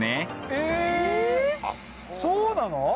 えっそうなの！